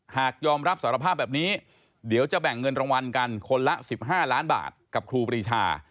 หากยอมรับสารภาพแบบนี้เดี๋ยวจะแบ่งเงินรางวัลกันคนละ๑๕ล้านบาทกับครูปรีชา